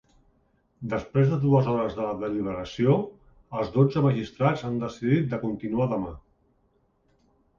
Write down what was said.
Després de dues hores de deliberació, els dotze magistrats han decidit de continuar demà.